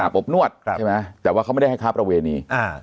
อาบอมนวดใช่ไหมครับแต่ว่าเขาไม่ได้ให้ค้าประเวณีอ่า